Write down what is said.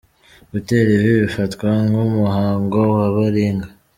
Gutera ivi bifatwa nk’umuhango wa baringa.